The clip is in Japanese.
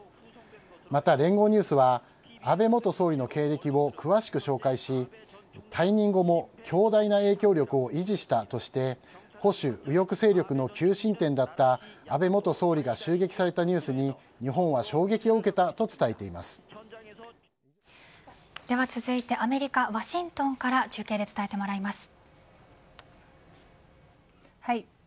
また聯合ニュースは安倍元総理の経歴を詳しく紹介し退任後も強大な影響力を維持したとして保守、右翼勢力の求心点だった安倍元総理が襲撃されたニュースに日本は衝撃を受けたとでは続いてアメリカワシントンから中継で伝えてもらいます。